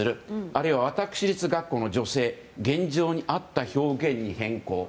あるいは私立学校の助成現状に合った表現に変更。